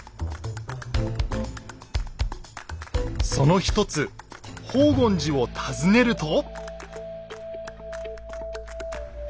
その一つ宝厳寺を訪ねると。